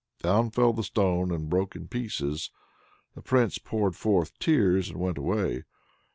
Down fell the stone and broke in pieces; the Prince poured forth tears and went away.